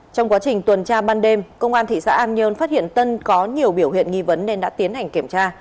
trong quá trình tuần tra ban đêm công an thị xã an nhơn phát hiện tân có nhiều biểu hiện nghi vấn nên đã tiến hành kiểm tra